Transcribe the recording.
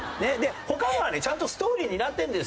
他のはねちゃんとストーリーになってるんですよ。